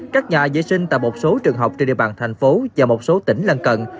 các nhà vệ sinh tại một số trường học trên địa bàn thành phố và một số tỉnh lân cận